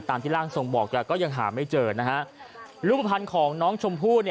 ที่ร่างทรงบอกแต่ก็ยังหาไม่เจอนะฮะรูปภัณฑ์ของน้องชมพู่